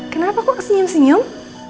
kenapa kok senyum senyum